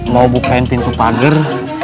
mau bukain pintu pagar